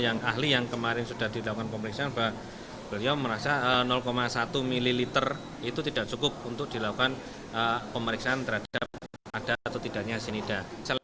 yang ahli yang kemarin sudah dilakukan pemeriksaan bahwa beliau merasa satu mililiter itu tidak cukup untuk dilakukan pemeriksaan terhadap ada atau tidaknya sinida